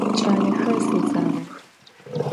Ç'alexer zezaox.